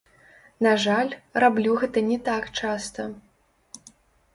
На жаль, раблю гэта не так часта.